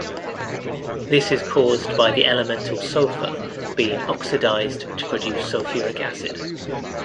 This is caused by the elemental sulfur being oxidized to produce sulfuric acid.